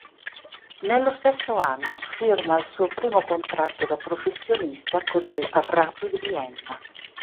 Nello stesso anno firma il suo primo contratto da professionista con il Rapid Vienna.